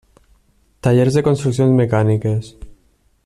Tallers de construccions mecàniques.